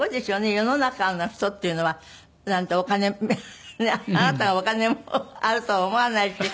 世の中の人っていうのはなんかお金あなたがお金あるとは思わないけど。